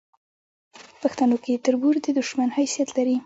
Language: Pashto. پښتنو کې تربور د دوشمن حیثت لري